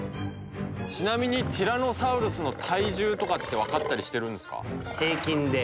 ちなみにティラノサウルスの体重とかってわかったりしてるんですか？